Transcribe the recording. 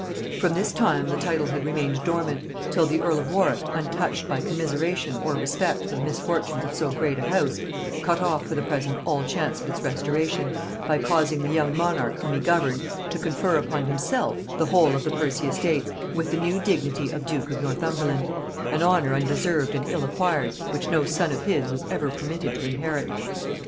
From this time the title had remained dormant, till the earl of Warwick, untouched by commiseration or respect for the misfortunes of so great a house, cut off for the present all chance of its restoration, by causing the young monarch whom he governed to confer upon himself the whole of the Percy estates, with the new dignity of duke of Northumberland; an honor undeserved and ill acquired, which no son of his was ever permitted to inherit.